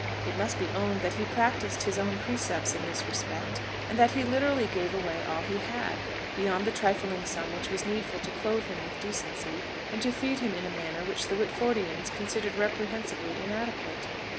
It must be owned that he practised his own precepts in this respect; and that he literally gave away all he had, beyond the trifling sum which was needful to clothe him with decency, and to feed him in a manner which the Whitfordians considered reprehensibly inadequate.